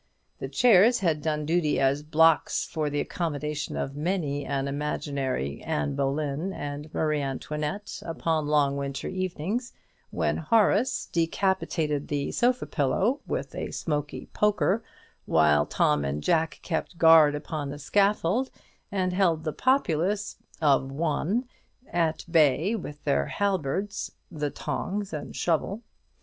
The chairs had done duty as blocks for the accommodation of many an imaginary Anne Boleyn and Marie Antoinette, upon long winter evenings, when Horace decapitated the sofa pillow with a smoky poker, while Tom and Jack kept guard upon the scaffold, and held the populace of one at bay with their halberds the tongs and shovel.